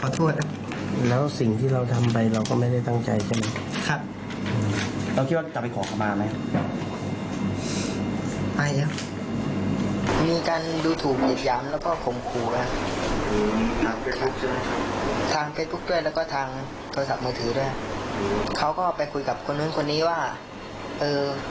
โทรศัพท์มือถือด้วยนี่เขาก็ไปคุยกับนี้คนนี้ว่าเออ